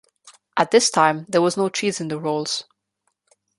At this time, there was no cheese in the rolls.